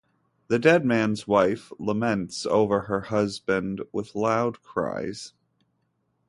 The dead man's wife laments over her husband with loud cries.